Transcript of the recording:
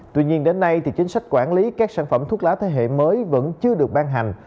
tuy nhiên đến nay thì chính sách quản lý các sản phẩm thuốc lá thế hệ mới vẫn chưa được ban hành